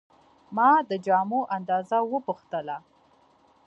ما د جامو اندازه وپوښتله.